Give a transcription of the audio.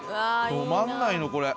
止まんないのこれ。